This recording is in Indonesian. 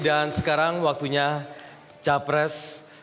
dan sekarang waktunya capres satu